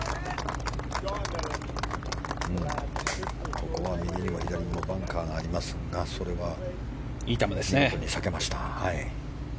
ここは右にも左にもバンカーがありますがそれは避けました。